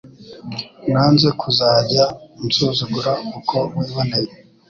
nanze kuzajya unsuzugura uko wiboneye